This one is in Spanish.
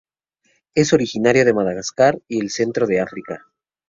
Es originario de Madagascar y el centro de África.